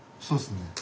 そうですね。